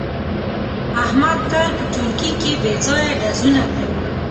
احمد تل په ټولگي کې بې ځایه ډزونه کوي.